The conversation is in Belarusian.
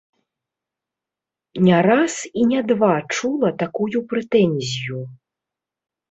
Не раз і не два чула такую прэтэнзію.